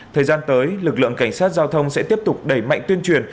thời gian tới lực lượng cảnh sát giao thông sẽ tiếp tục đẩy mạnh tuyên truyền